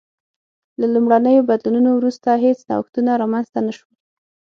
له لومړنیو بدلونونو وروسته هېڅ نوښتونه رامنځته نه شول